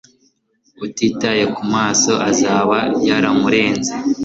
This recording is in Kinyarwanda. Utitaye kumaso azaba yaramurenze